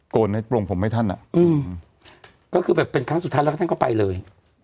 ในโปรงผมให้ท่านอ่ะอืมก็คือแบบเป็นครั้งสุดท้ายแล้วก็ท่านก็ไปเลย